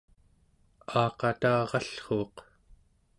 aaqatarallruuq